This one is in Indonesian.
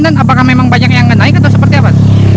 dan apakah memang banyak yang nganaikan atau seperti apa